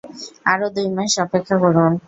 আরও দুই মাস অপেক্ষা করুন।